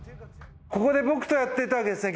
ここで僕とやっていたわけですね